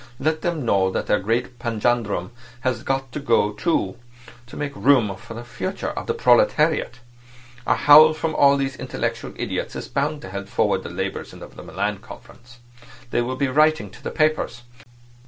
Let them know that their great panjandrum has got to go too, to make room for the Future of the Proletariat. A howl from all these intellectual idiots is bound to help forward the labours of the Milan Conference. They will be writing to the papers.